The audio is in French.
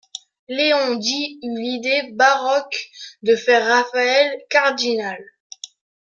Léon dix eut l'idée baroque de faire Raphaël cardinal.